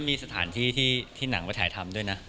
มีสถานที่ที่หนังมาถ่ายทำด้วยนะ